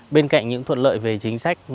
bên cạnh những thuận lợi về chính sách